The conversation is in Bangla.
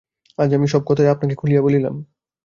আজ সব কথাই আপনাকে খুলিয়া বলিলাম।